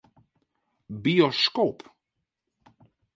Bioskoop.